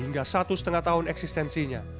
hingga satu lima tahun eksistensinya